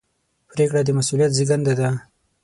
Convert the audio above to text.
پرېکړه د مسؤلیت زېږنده ده.